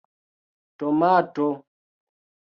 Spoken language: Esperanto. tomato